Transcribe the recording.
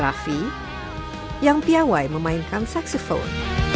rafi yang piawai memainkan saksifon